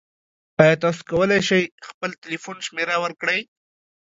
ایا تاسو کولی شئ خپل تلیفون شمیره ورکړئ؟